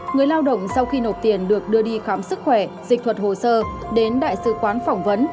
người lao động sau khi nộp tiền được đưa đi khám sức khỏe dịch thuật hồ sơ đến đại sứ quán phỏng vấn